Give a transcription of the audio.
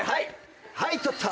はい取った。